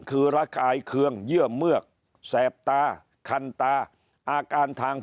คือระกายเคืองเยื่อเมือกแสบตาคันตาอาการทาง